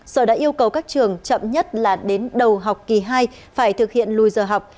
sở đã yêu cầu các trường chậm nhất là đến đầu học kỳ hai phải thực hiện lùi giờ học